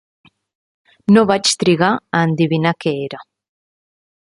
No vaig trigar a endevinar què era.